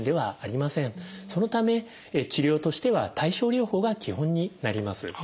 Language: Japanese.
そのため治療としては対症療法が基本になります。